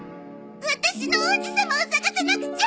ワタシの王子様を探さなくちゃ！